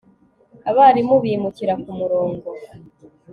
abarimu bimukira kumurongo